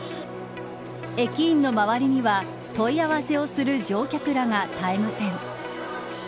駅員の周りには問い合わせをする乗客らが絶えません。